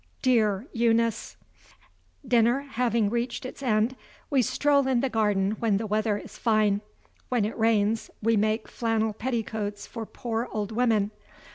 Dear Eunice! Dinner having reached its end, we stroll in the garden when the weather is fine. When it rains, we make flannel petticoats for poor old women.